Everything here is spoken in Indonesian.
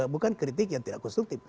bukan kritik yang tidak konstruktif